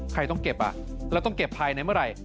ใครต้องเก็บแล้วต้องเก็บภายในเมื่อไหร่